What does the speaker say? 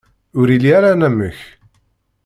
Ur ili ara anamek.